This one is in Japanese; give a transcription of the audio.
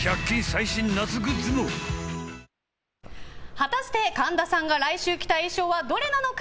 果たして神田さんが来週、着たい衣装はどれなのか。